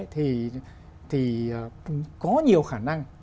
thì có nhiều khả năng